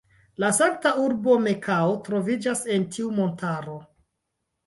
La sankta urbo Mekao troviĝas en tiu montaro.